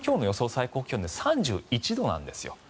最高気温３１度なんですよ。